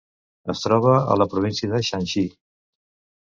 Es troba a la província de Shanxi.